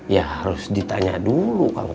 ya harus ditanya dulu kang tisna